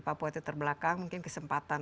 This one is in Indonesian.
papua terbelakang mungkin kesempatan